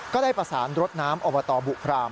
ก็ได้ประสานรถน้ำอบตบุพราม